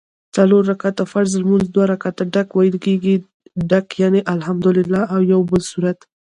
څلور رکعته فرض لمونځ دوه ډک ویل کېږي ډک یعني الحمدوالله او یوبل سورت